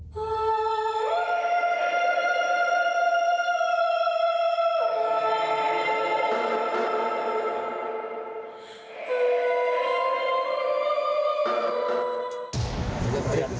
กอด